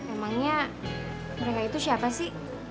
emangnya mereka itu siapa sih